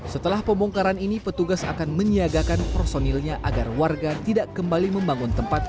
setelah pembongkaran ini petugas akan menyiagakan personilnya agar warga tidak kembali membangun tempat